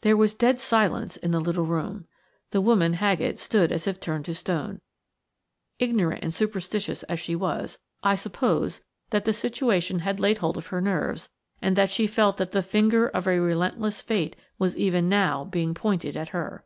There was dead silence in the little room. The woman Haggett stood as if turned to stone. Ignorant and superstitious as she was, I suppose that the situation had laid hold of her nerves, and that she felt that the finger of a relentless Fate was even now being pointed at her.